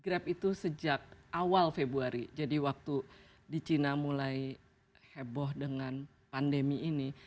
grab itu sejak awal februari jadi waktu di china mulai heboh dengan pandemi ini